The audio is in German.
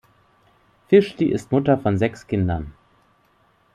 Fischli ist Mutter von sechs Kindern.